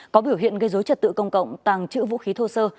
có biểu hiện gây dối trật tự công cộng tàng trữ vũ khí thô sơ